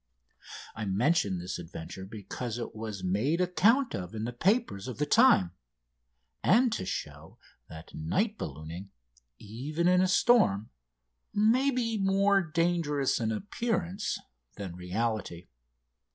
I mention this adventure because it was made account of in the papers of the time, and to show that night ballooning, even in a storm, may be more dangerous in appearance than reality.